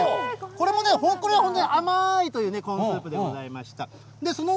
これもね、これ本当に、甘ーい！というね、コーンスープでございました。